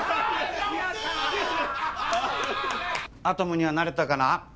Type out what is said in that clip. アトムには慣れたかな？